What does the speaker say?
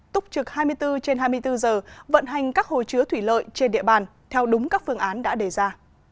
túc trực hai mươi bốn trên hai mươi bốn giờ vận hành các hồ chứa thủy lợi trên địa bàn theo đúng các phương án đã đề ra